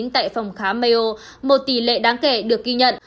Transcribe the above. tại phòng khám maio một tỷ lệ đáng kể được ghi nhận